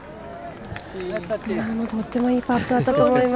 今のもとってもいいパットだったと思います。